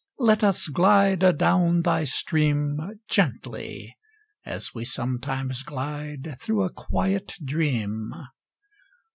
Let us glide adown thy stream Gently as we sometimes glide Through a quiet dream!